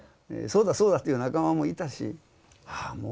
そうだそうだという仲間もいたしはあ